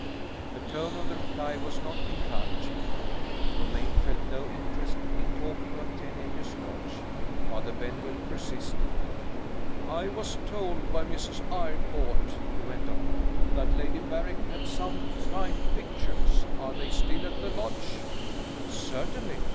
The tone of the reply was not encouraging; Romayne felt no interest in talking of Ten Acres Lodge. Father Benwell persisted. "I was told by Mrs. Eyrecourt," he went on "that Lady Berrick had some fine pictures. Are they still at the Lodge?" "Certainly.